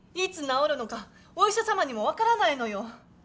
いつ治るのかお医者様にも分からないのよ。